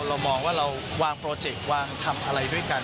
เรามองว่าเราวางโปรเจกต์วางทำอะไรด้วยกัน